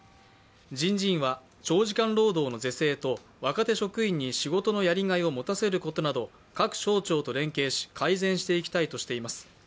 人事院は、長時間労働の是正と若手職員に仕事のやりがいを持たせることなど、各省庁と連携し改善していきたいとしています。